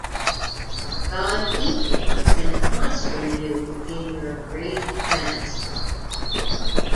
God keep you and prosper you in your great task.